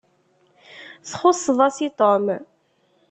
Txuṣṣeḍ-as i Tom.